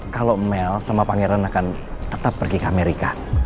kalau mel sama pangeran akan tetap pergi ke amerika